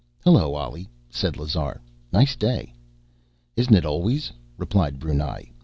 "Hello, Ollie," said Lazar. "Nice day." "Isn't it always?" replied Brunei.